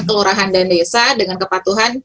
kelurahan dan desa dengan kepatuhan